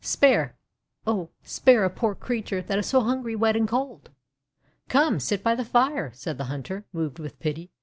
:( Spare, oh, spare a poor crea ture that is so hungry, wet, and cold!' 'Come, sit by the fire," said the hunter, moved with pity.